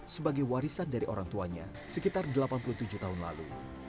sebagai warisan dari orang tuanya sekitar delapan puluh tujuh tahun lalu